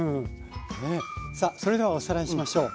さあそれではおさらいしましょう。